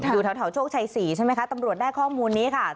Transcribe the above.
อยู่แถวโชคชัย๔ใช่ไหมคะตำรวจได้ข้อมูลนี้ค่ะ